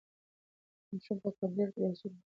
ماشومان په کمپیوټر کې درسونه لولي.